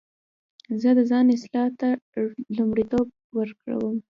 زه د ځان اصلاح ته لومړیتوب ورکوم.